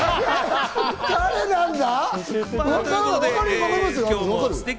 誰なんだ？